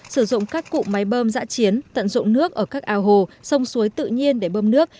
sử dụng các cụ máy bơm giã chiến tận dụng nước ở các ao hồ sông suối tự nhiên để bơm nước